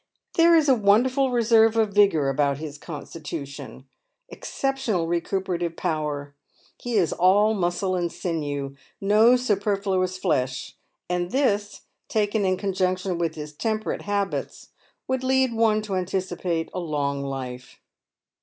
There is a won derful reserve of vigour about his constitution, exceptional recuperative power ; he is all muscle and sinew — no superfluous flesh ; and this, taken in conjunction with his temperate habits, would lead one to anticipate a long life.